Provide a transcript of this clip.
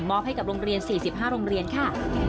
ให้กับโรงเรียน๔๕โรงเรียนค่ะ